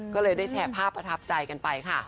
ก็เลยได้แชร์ภาพประทับใจกันไปค่ะ